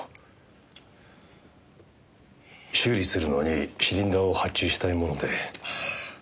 修理するのにシリンダーを発注したいもので。